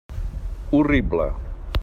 Horrible.